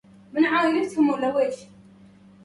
يجب أن أشتري الطعام.